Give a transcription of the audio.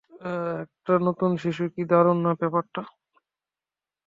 একটা নতুন শিশু, কি দারুন না ব্যাপারটা?